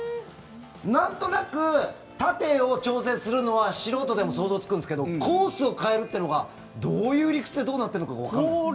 なんとなく縦を調整するのは素人でも想像つくんですがコースを変えるというのがどういう理屈でどうなってるのかわからない。